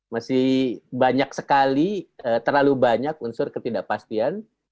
masih banyak sekali terlalu banyak unsur ketidakpastian